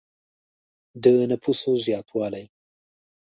د نفوسو زیاتوالی.